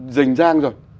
dành giang rồi